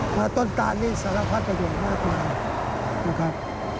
เพราะต้นตานนี่สารพัดประโยชน์มากมายนะครับ